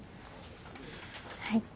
はい。